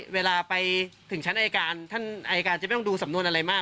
เวลาไปถึงชั้นอายการท่านอายการจะไม่ต้องดูสำนวนอะไรมาก